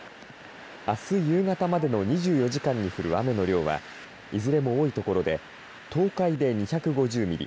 あす夕方までの２４時間に降る雨の量はいずれも多い所で東海で２５０ミリ